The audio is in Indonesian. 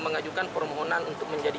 mengajukan permohonan untuk menjadi